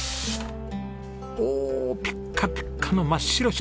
おおピッカピカの真っ白白。